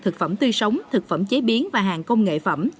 thực phẩm tươi sống thực phẩm chế biến và hàng công nghệ phẩm